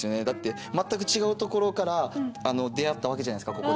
だって全く違うところから出会ったわけじゃないですか